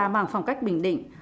mang phong cách bình định